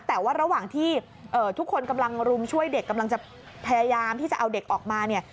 แต่ว่าระหว่างที่ทุกคนกำลังรุมช่วยเด็กกำลังจะพยายามที่จะเอาเด็กออกมาเนี่ย